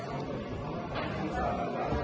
พี่จะขัดรุ่นยังไง